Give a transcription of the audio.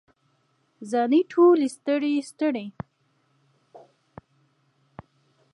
زاڼې ټولې ستړي، ستړي